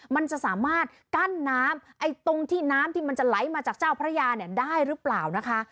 มันจะสามารถกั้นน้ำไอ้ตรงที่น้ำที่มันจะไหลมาจากเจ้าพระยาเนี่ยได้หรือเปล่านะคะ